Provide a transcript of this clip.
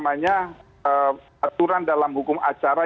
aturan dalam hukum acara